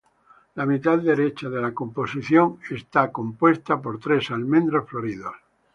La mitad derecha de la composición está compuesta por tres almendros floridos.